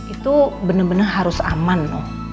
itu bener dua harus aman